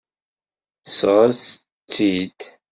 Sɣet-tt-id!